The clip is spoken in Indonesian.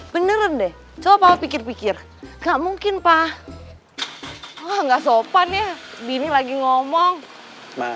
beneran deh coba pikir pikir nggak mungkin pak wah nggak sopan ya bini lagi ngomong